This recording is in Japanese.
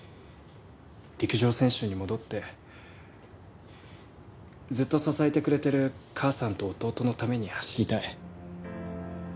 陸上選手に戻ってずっと支えてくれてる母さんと弟のために走りたい。